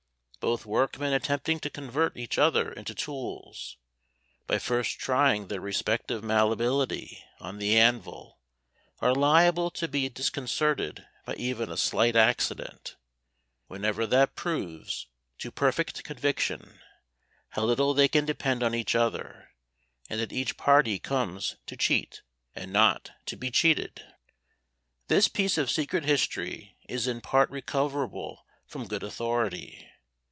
Both workmen attempting to convert each other into tools, by first trying their respective malleability on the anvil, are liable to be disconcerted by even a slight accident, whenever that proves, to perfect conviction, how little they can depend on each other, and that each party comes to cheat, and not to be cheated! This piece of secret history is in part recoverable from good authority.